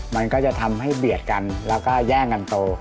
มันก็จะทำให้เบียดกันแล้วก็แย่งกันโต